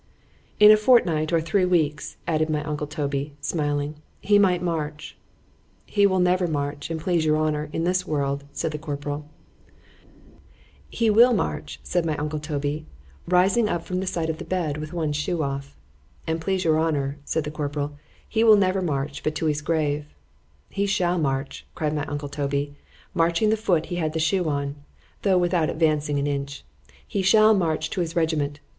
—— ——In a fortnight or three weeks, added my uncle Toby, smiling,——he might march.——He will never march; an' please your honour, in this world, said the corporal:——He will march; said my uncle Toby, rising up from the side of the bed, with one shoe off:——An' please your honour, said the corporal, he will never march but to his grave:——He shall march, cried my uncle Toby, marching the foot which had a shoe on, though without advancing an inch,—he shall march to his regiment.